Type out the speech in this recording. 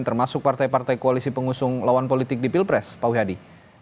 termasuk partai partai koalisi pengusung lawan politik di pilpres pak uhadi